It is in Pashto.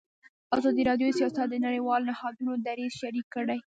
ازادي راډیو د سیاست د نړیوالو نهادونو دریځ شریک کړی.